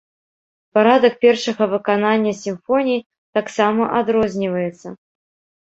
Парадак першага выканання сімфоній таксама адрозніваецца.